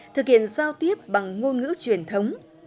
thực hiện giao tiếp bằng ngôn ngữ truyền thống